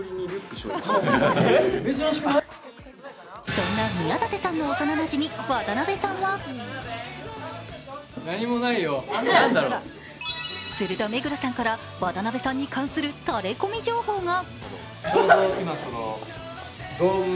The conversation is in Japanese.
そんな宮舘さんの幼なじみ渡辺さんはすると目黒さんから渡辺さんに関するタレコミ情報が。